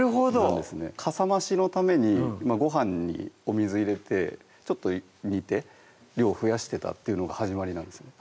なんですねかさ増しのためにご飯にお水入れてちょっと煮て量を増やしてたっていうのが始まりなんですね